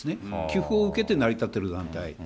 寄付を受けて成り立ってる団体。